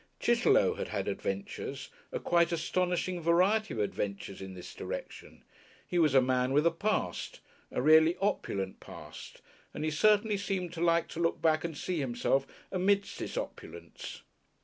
Chitterlow had had adventures, a quite astonishing variety of adventures in this direction; he was a man with a past, a really opulent past, and he certainly seemed to like to look back and see himself amidst its opulence.